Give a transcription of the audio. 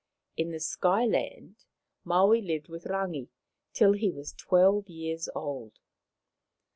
In the Sky land Maui lived with Rangi till he was twelve years old.